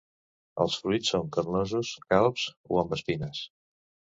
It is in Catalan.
Els fruits són carnosos, calbs o amb espines.